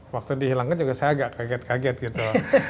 waktu dihilangkan juga saya agak kaget kaget gitu